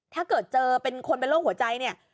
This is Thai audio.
ถ้าเกิดเจอเป็นคนเป็นโรคหัวใจเนี่ย